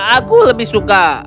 aku lebih suka